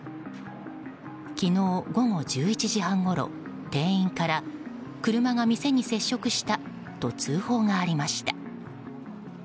昨日午後１１時半ごろ店員から車が店に接触したと通報がありました。